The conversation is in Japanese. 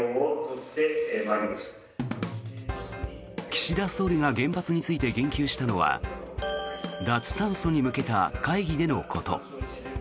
岸田総理が原発について言及したのは脱炭素に向けた会議でのこと。